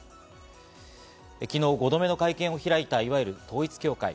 昨日５度目の会見を開いた、いわゆる統一教会。